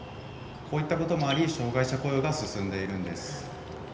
こういったこともあり、障害者雇用が進んでいるんです。